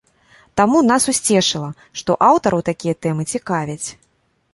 Таму нас усцешыла, што аўтараў такія тэмы цікавяць.